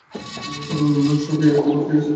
তখন সবে প্রভাত হইয়াছে।